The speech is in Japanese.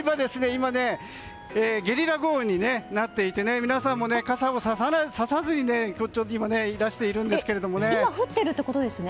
今、ゲリラ豪雨になっていて皆さんも傘をささずにいらしているんですけどね。